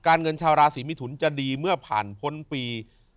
เงินชาวราศีมิถุนจะดีเมื่อผ่านพ้นปี